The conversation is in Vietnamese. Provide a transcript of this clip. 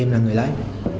em là người lấy